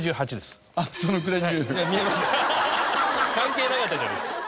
関係なかったじゃないですか。